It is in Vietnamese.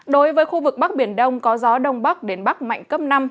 đối với khu vực bắc biển đông có gió đông bắc đến bắc mạnh cấp năm